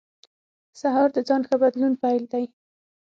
سهار د ځان ښه بدلون پیل دی.